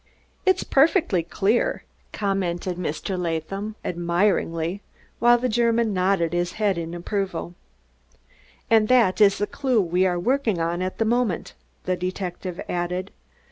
"It is perfectly clear," commented Mr. Laadham admiringly, while the German nodded his head in approval. "And that is the clew we are working on at the moment," the detective added.